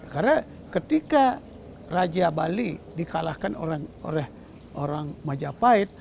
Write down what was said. karena ketika raja bali dikalahkan oleh majapahit